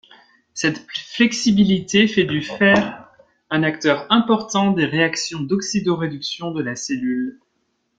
Cette flexibilité fait du fer un acteur important des réactions d'oxydo-réduction de la cellule.